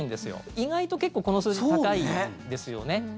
意外と結構この数字高いんですよね。